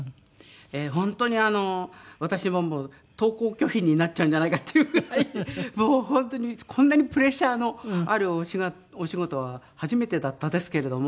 本当に私ももう登校拒否になっちゃうんじゃないかっていうぐらいもう本当にこんなにプレッシャーのあるお仕事は初めてだったんですけれども。